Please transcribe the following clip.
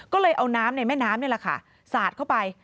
ก็เลยเอาน้ำในแม่น้ำนี่แหละค่ะสาดเข้าไป